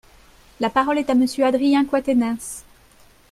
La parole est à Monsieur Adrien Quatennens.